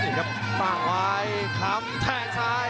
ดีครับมาวายคำแทนท์ซ้าย